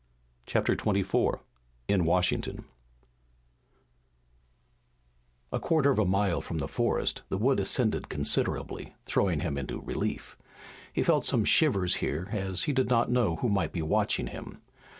CHAPTER XIV IN WASHINGTON A quarter of a mile from the forest, the wood ascended considerably, throwing him into relief. He felt some shivers here, as he did not know who might be watching him.